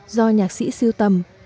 do nhạc sĩ sưu tầm